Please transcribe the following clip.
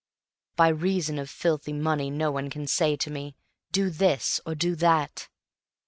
By reason of filthy money no one can say to me: Do this, or do that.